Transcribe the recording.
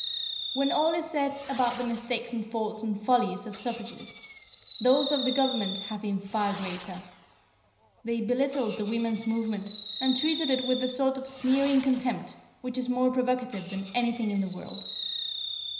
When all is said about the mistakes and faults and follies of suffragists, those of the Government have been far greater. They belittled the women's movement, and treated it with the sort of sneering contempt which is more provocative than anything in the world.